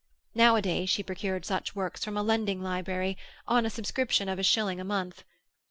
Nowadays she procured such works from a lending library, on a subscription of a shilling a month.